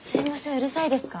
うるさいですか？